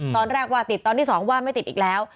ตอนแรกว่าติดตอนที่๒ว่าไม่ติดอีกแล้ว